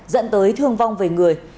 dẫn tới thương vong về người